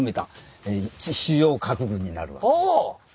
ああ！